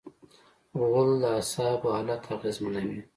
غول د اعصابو حالت اغېزمنوي.